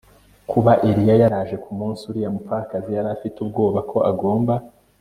Kuba Eliya yaraje ku munsi uriya mupfakazi yari afite ubwoba ko agomba